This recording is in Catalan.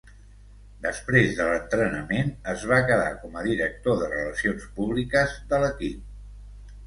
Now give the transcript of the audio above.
Després de l'entrenament, es va quedar com a director de relacions públiques de l'equip.